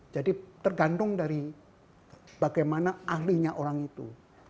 jadi tergantung dari bagaimana ahlinya orang itu